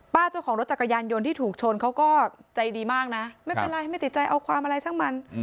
เจ้าของรถจักรยานยนต์ที่ถูกชนเขาก็ใจดีมากนะไม่เป็นไรไม่ติดใจเอาความอะไรช่างมัน